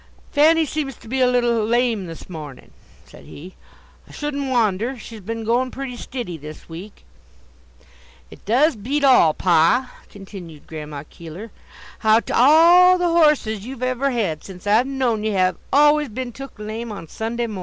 'Fanny' seems to be a little lame, this mornin'," said he. "I shouldn't wonder. She's been goin' pretty stiddy this week." "It does beat all, pa," continued Grandma Keeler, "how 't all the horses you've ever had since I've known ye have always been took lame Sunday mornin'.